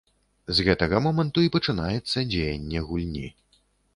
З гэтага моманту і пачынаецца дзеянне гульні.